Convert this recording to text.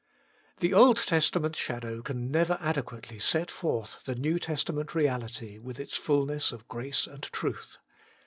The Old Testament shadow can never adequately set forth the New Testament reality with its fulness of grace and truth.